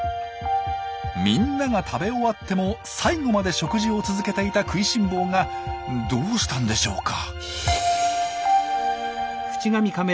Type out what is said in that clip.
みんなが食べ終わっても最後まで食事を続けていた食いしん坊がどうしたんでしょうか？